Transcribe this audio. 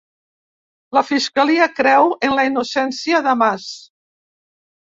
La fiscalia creu en la innocència de Mas